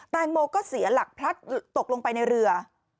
แตงโมก็เสียหลักพลัดตกลงไปในเรือ